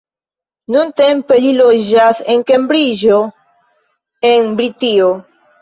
Nuntempe li loĝas en Kembriĝo en Britio.